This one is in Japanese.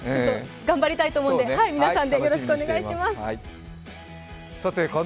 頑張りたいと思うので皆さんよろしくお願いします。